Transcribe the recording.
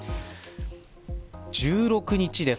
１６日です。